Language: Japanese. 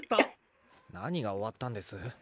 何が終わったんです？